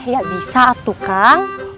ya bisa atu kang